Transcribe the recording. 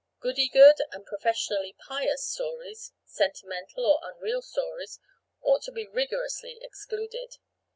Goody good and professionally "pious" stories, sentimental or unreal stories, ought to be rigorously excluded.